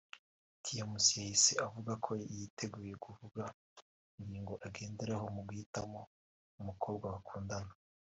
Tmc yahise avuga ko yiteguye kuvuga ingingo agendaraho mu gihitamo umukobwa bakundana